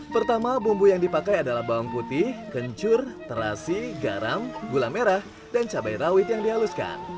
pertama bumbu yang dipakai adalah bawang putih kencur terasi garam gula merah dan cabai rawit yang dihaluskan